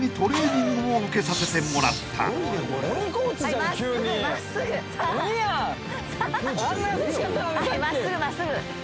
はい真っすぐ真っすぐ。